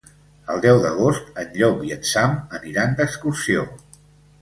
El deu d'agost en Llop i en Sam aniran d'excursió.